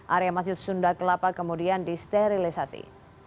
area masjid sunda kelapa kemudian disterilisasi